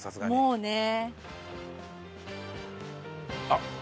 もうね。